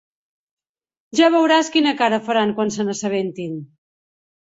Ja veuràs quina cara faran quan se n'assabentin!